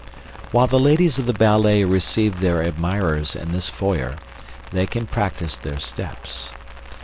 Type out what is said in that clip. While the ladies of the ballet receive their admirers in this foyer, they can practise their steps.